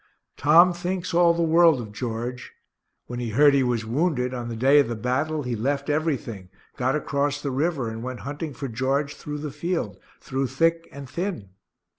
Tom thinks all the world of George; when he heard he was wounded, on the day of the battle, he left everything, got across the river, and went hunting for George through the field, through thick and thin.